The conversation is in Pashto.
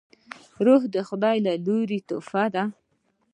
روح د خداي له لورې تحفه ده